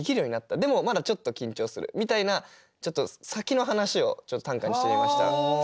でもまだちょっと緊張するみたいなちょっと先の話を短歌にしてみました。